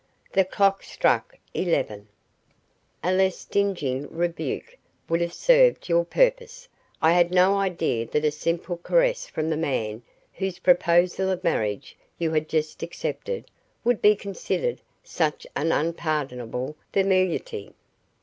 The clock struck eleven. "A less stinging rebuke would have served your purpose. I had no idea that a simple caress from the man whose proposal of marriage you had just accepted would be considered such an unpardonable familiarity."